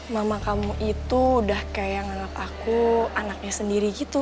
mama kamu itu udah kayak anak aku anaknya sendiri gitu